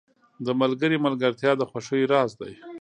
• د ملګري ملګرتیا د خوښیو راز دی.